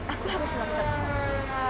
aku harus melakukan sesuatu